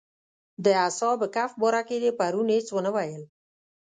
د اصحاب کهف باره کې دې پرون هېڅ ونه ویل.